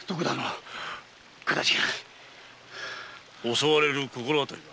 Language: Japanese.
襲われる心当たりは？